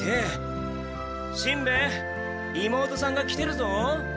しんべヱ妹さんが来てるぞ。